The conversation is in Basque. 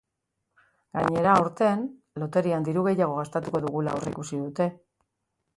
Gainera, aurten, loterian diru gehiago gastatuko dugula aurrikusi dute.